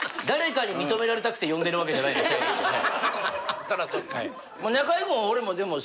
誰かに認められたくて呼んでるわけじゃないんで。